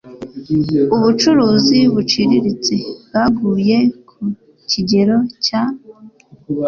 Ubucuruzi buciriritse bwaguye ku kigero cya